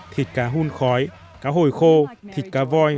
thịt cá hun khói cá hồi khô thịt cá voi